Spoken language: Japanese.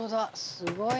すごいね！